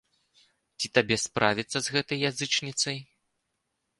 Ці табе справіцца з гэтай язычніцай?